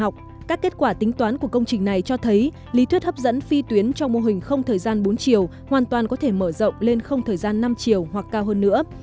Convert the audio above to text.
trong các kết quả tính toán của công trình này cho thấy lý thuyết hấp dẫn phi tuyến trong mô hình không thời gian bốn chiều hoàn toàn có thể mở rộng lên không thời gian năm chiều hoặc cao hơn nữa